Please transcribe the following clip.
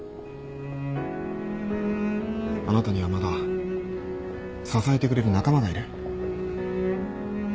あなたにはまだ支えてくれる仲間がいる。